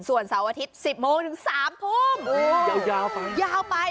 ส่วนเสาร์อาทิตย์๑๐โมงถึง๓พุ่ม